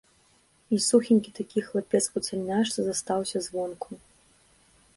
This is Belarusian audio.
І сухенькі такі хлапец у цяльняшцы застаўся звонку.